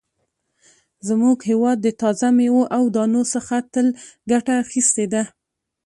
زموږ هېواد د تازه مېوو او دانو څخه تل ګټه اخیستې ده.